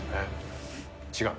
違う？